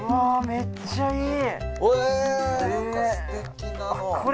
めっちゃいい。